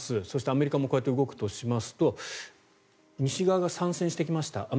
そして、アメリカもこうやって動くとしますと西側が参戦してきました